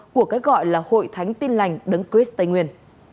của cái gọi là hội thánh tin lành đấng chris tây nguyên